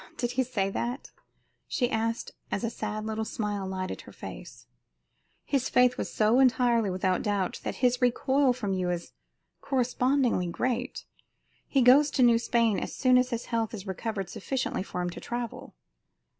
"Ah, did he say that?" she asked, as a sad little smile lighted her face. "His faith was so entirely without doubt, that his recoil from you is correspondingly great. He goes to New Spain as soon as his health is recovered sufficiently for him to travel."